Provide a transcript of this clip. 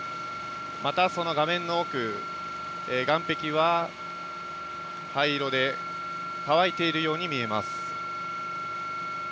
またその画面の奥、岸壁は灰色で、乾いているように見えます。